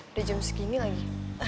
udah jam segini lagi